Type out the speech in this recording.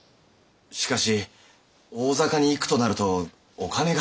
しかし大坂に行くとなるとお金が。